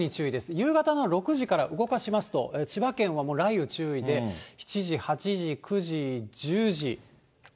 夕方の６時から動かしますと、千葉県は雷雨注意で、７時、８時、９時、１０時。